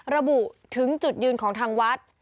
ระบุถึงจุดยืนของทางวัด